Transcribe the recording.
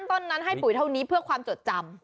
ต้นนั้นให้ปุ๋ยเท่านี้เพื่อความจดจำ